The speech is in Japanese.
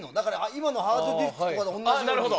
今のハードディスクとかと同じように。